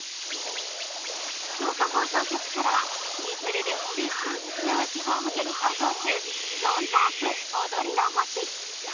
福岡放送局からは、Ｅテレで九州・沖縄地方向けに放送中「ゾンタークおどりのほし」。